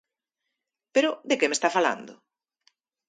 Pero, ¿de que me está falando?